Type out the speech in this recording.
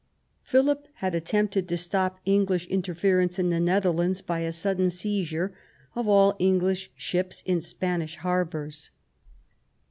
Philip had attempted to stop English interference in the Netherlands by a sudden seizure of all English ships in Spanish harbours.